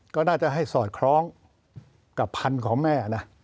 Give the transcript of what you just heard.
ก็น่าจะให้สอดคล้องกับพันธุ์ของแม่นะ